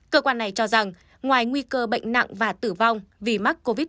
cơ quan này cho rằng ngoài nguy cơ bệnh nặng và tử vong vì mắc covid một mươi chín